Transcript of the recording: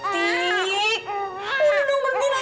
udah dong berhenti nangis dong kamu tuh